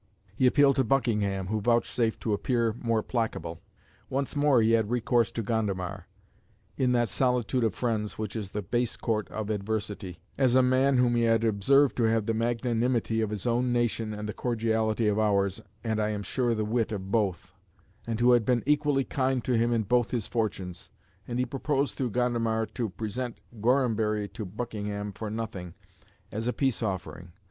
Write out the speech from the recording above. He appealed to Buckingham, who vouchsafed to appear more placable. Once more he had recourse to Gondomar, "in that solitude of friends, which is the base court of adversity," as a man whom he had "observed to have the magnanimity of his own nation and the cordiality of ours, and I am sure the wit of both" and who had been equally kind to him in "both his fortunes;" and he proposed through Gondomar to present Gorhambury to Buckingham "for nothing," as a peace offering.